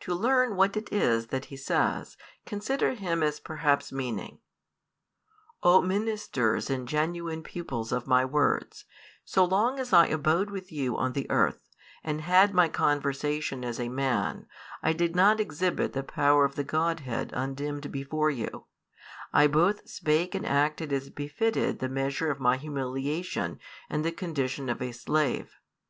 To learn what it is that He says, consider Him as perhaps meaning: "O ministers and genuine pupils of My words, so long as I abode with you on the earth, and had My conversation as a man, I did not exhibit the power of the Godhead undimmed before you: I both spake and acted as befitted the measure of My humiliation and the condition of a slave.